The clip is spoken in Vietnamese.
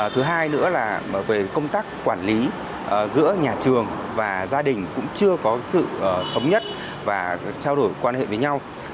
thứ hai nữa là về công tác quản lý giữa nhà trường và gia đình cũng chưa có sự thống nhất và trao đổi quan hệ với nhau